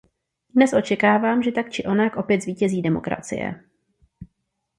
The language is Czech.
Dnes očekávám, že tak či onak opět zvítězí demokracie.